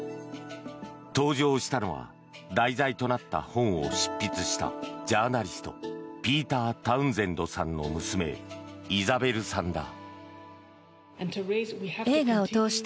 登場したのは題材となった本を執筆したジャーナリストピーター・タウンゼンドさんの娘イザベルさんだ。